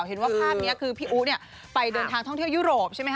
เห็นว่าภาพนี้คือพี่อู๋ไปเดินทางท่องเที่ยวยุโรปใช่ไหมค